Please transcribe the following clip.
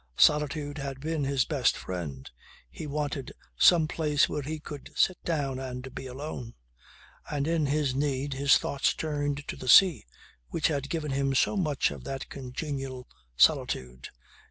Solitude had been his best friend. He wanted some place where he could sit down and be alone. And in his need his thoughts turned to the sea which had given him so much of that congenial solitude.